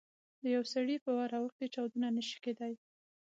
د یوه سړي په ور اوښتو چاودنه نه شي کېدای.